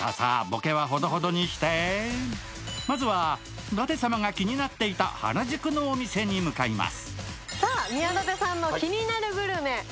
さあさあ、ボケはほどほどにしてまずは舘様が気になっていた原宿のお店に向かいます。